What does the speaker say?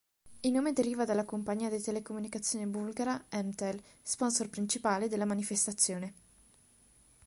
Il nome deriva dalla compagnia di telecomunicazioni bulgara "M-Tel", sponsor principale della manifestazione.